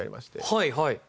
はいはい。